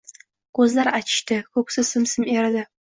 Ko‘zlari achishdi, ko‘ksi sim-sim eridi.